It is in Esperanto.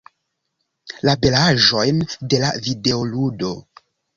La belaĵojn de la videoludo.